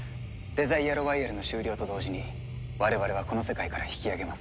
デザイアロワイヤルの終了と同時に我々はこの世界から引き揚げます。